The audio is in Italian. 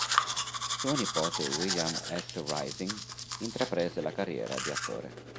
Suo nipote William S. Rising intraprese la carriera di attore.